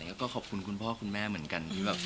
และก็ขอบคุณคุณพ่อคุณแม่เหมือนกัน